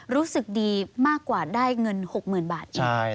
รู้สึกดีมากกว่าได้เงิน๖๐๐๐บาทอีก